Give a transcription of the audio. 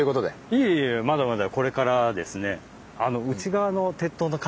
いえいえまだまだこれからですね。